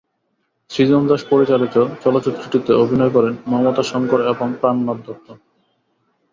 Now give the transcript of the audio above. সৃজন দাশ পরিচালিত চলচ্চিত্রটিতে অভিনয় করেন মমতাশঙ্কর এবং প্রাণনাথ দত্ত।